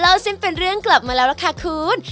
เส้นเป็นเรื่องกลับมาแล้วล่ะค่ะคุณ